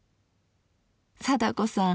貞子さん